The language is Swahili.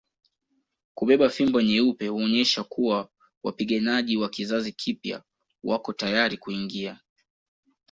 Kubeba fimbo nyeupe huonyesha kuwa wapiganaji wa kizazi kipya wako tayari kuingia